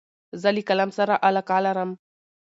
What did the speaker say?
زه له قلم سره علاقه لرم.